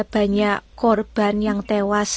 banyak korban yang tewas